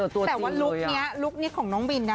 แต่ว่าลุคนี้ลุคนี้ของน้องบินนะ